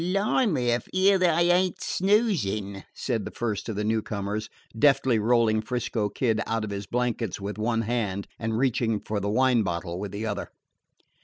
"Bli' me, if 'ere they ain't snoozin'," said the first of the newcomers, deftly rolling 'Frisco Kid out of his blankets with one hand and reaching for the wine bottle with the other.